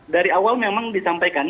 dari awal memang disampaikan